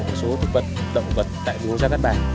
một số thực vật động vật tại vùng gia đất bản